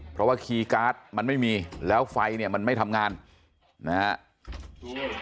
เพราะว่าคีย์การ์ดมันไม่มีแล้วไฟเนี่ยมันไม่ทำงานนะครับ